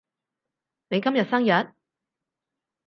你今日生日？